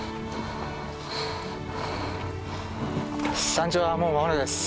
山頂はもう間もなくです。